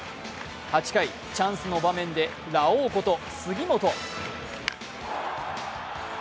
８回、チャンスの場面でラオウこと杉本。